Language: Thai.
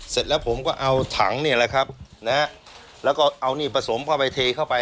เสร็จแล้วผมก็เอาถังเนี่ยแหละครับนะฮะแล้วก็เอานี่ผสมเข้าไปเทเข้าไป